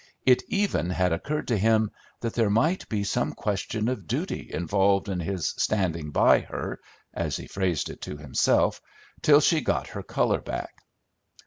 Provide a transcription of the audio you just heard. It even had occurred to him that there might be some question of duty involved in his "standing by her," as he phrased it to himself, "till she got her color back."